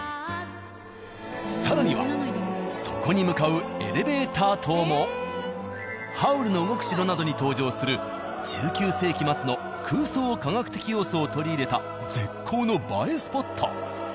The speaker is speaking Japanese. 更にはそこに向かうエレベーター塔も「ハウルの動く城」などに登場する１９世紀末の空想科学的要素を取り入れた絶好の映えスポット。